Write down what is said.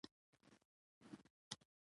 هوا د افغانستان د چاپیریال ساتنې لپاره مهم دي.